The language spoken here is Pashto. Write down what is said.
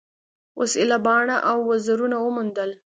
اوس ایله باڼه او وزرونه وموندل.